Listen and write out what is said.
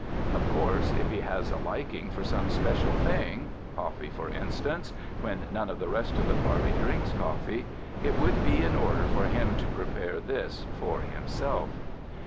Of course, if he has a liking for some special thing — coffee, for instance, when none of the rest of the party drinks coffee — it would be in order for him to prepare this for himself.